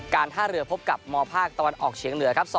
ท่าเรือพบกับมภาคตะวันออกเฉียงเหนือครับ